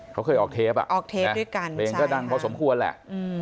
เค้าเคยออกเทปอะเมงก็ดังพอสมควรแหละ